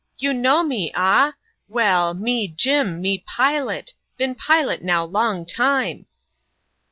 "You know me, ah? Wdl: me Jim, toQ pilot — been pilot now long time."